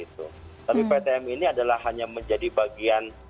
tapi ptm ini adalah hanya menjadi bagian